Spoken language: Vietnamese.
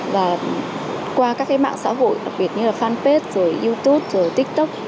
và qua các cái mạng xã hội đặc biệt như là fanpage rồi youtube rồi tiktok